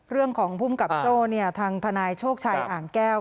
เรื่องของภูมิกับโจ้เนี่ยทางทนายโชกชายอ่านแก้ว